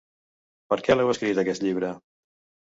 Per què l’heu escrit, aquest llibre?